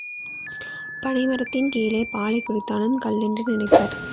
பனை மரத்தின் கீழே பாலைக் குடித்தாலும் கள் என்று நினைப்பர்.